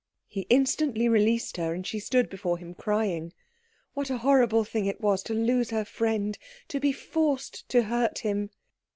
He instantly released her, and she stood before him crying. What a horrible thing it was to lose her friend, to be forced to hurt him.